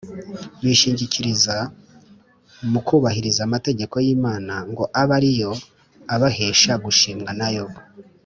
. Bishingikiriza mu kubahiriza amategeko y’Imana ngo abe ari yo abahesha gushimwa na yo